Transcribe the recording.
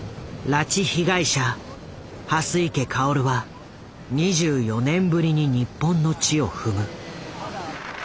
拉致被害者蓮池薫は２４年ぶりに日本の地を踏む。